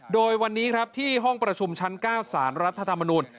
โดยวันนี้ครับที่ห้องประชุมชั้น๙สารรัฐธรรมนูล